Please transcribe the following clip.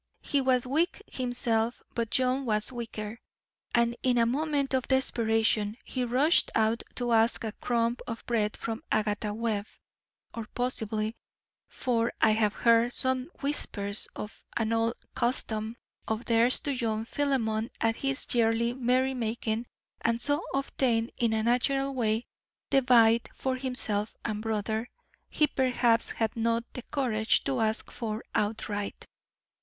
He was weak himself, but John was weaker, and in a moment of desperation he rushed out to ask a crumb of bread from Agatha Webb, or possibly for I have heard some whispers of an old custom of theirs to join Philemon at his yearly merry making and so obtain in a natural way the bite for himself and brother he perhaps had not the courage to ask for outright.